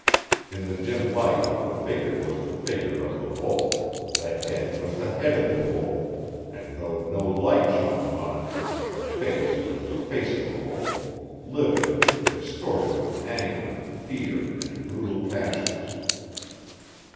In the dim light the figure was the figure of the Wolf, the head was the head of the Wolf, and though no light shone upon it, the face was the face of the Wolf, livid, distorted with anger, fear and brutal passions.